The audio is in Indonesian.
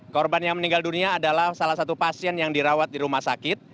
korban yang meninggal dunia adalah salah satu pasien yang dirawat di rumah sakit